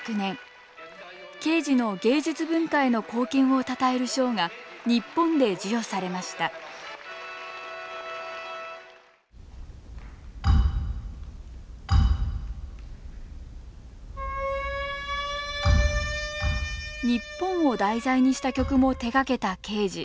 ケージの芸術文化への貢献をたたえる賞が日本で授与されました日本を題材にした曲も手がけたケージ。